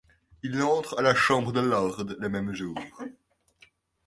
Il entre à la Chambre des lords le même jour.